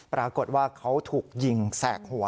ปรากฏว่าเขาถูกยิงแสกหัว